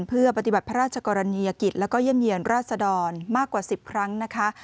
เพื่อปฏิบัติพระราชกรณียกิจแล้วก็เยี่ยมเยี่ยนราษดรมากกว่า๑๐ครั้งนะคะ